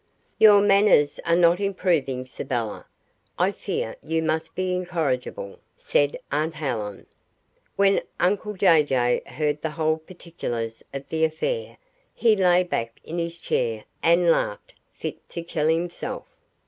"Your manners are not improving, Sybylla. I fear you must be incorrigible," said aunt Helen. When uncle Jay Jay heard the whole particulars of the affair, he lay back in his chair and laughed fit to kill himself.